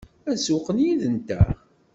Ad sewwqen yid-nteɣ?